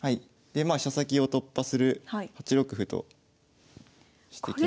飛車先を突破する８六歩としてきましたが。